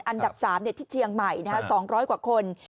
อันดับ๓ที่เชียงใหม่๒๐๐กว่าคน